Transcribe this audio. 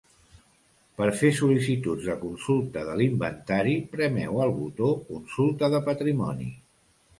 Per fer sol·licituds de consulta de l'Inventari premeu el botó Consulta de Patrimoni.